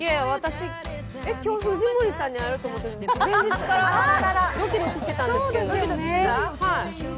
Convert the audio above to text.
今日、藤森さんに会えると思って前日からドキドキしてたんですけど。